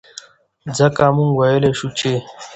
ځکه مونږ وئيلے شو چې